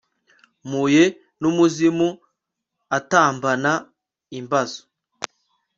mpuye n'umuzimu atambana imbazo